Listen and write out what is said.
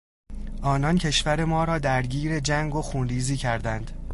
آنان کشور ما را در گیر جنگ و خونریزی کردند.